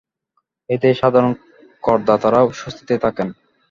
এতে সাধারণ করদাতারা স্বস্তিতে থাকেন।